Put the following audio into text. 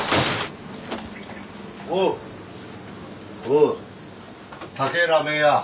おう。